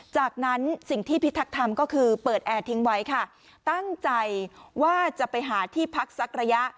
จากนั้นสิ่งที่พิทักษ์ทำก็คือเปิดแอร์ทิ้งไว้ค่ะตั้งใจว่าจะไปหาที่พักสักระยะ